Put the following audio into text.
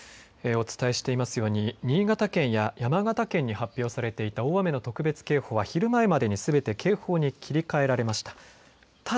お伝えしている新潟県や山形県に発表されていた大雨の特別警報は昼前までにすべて警報に切り替えられました。